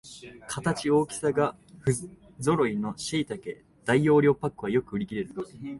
形、大きさがふぞろいのしいたけ大容量パックはよく売りきれる